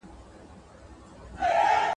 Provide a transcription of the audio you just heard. زه به اوږده موده لوښي وچولي وم!!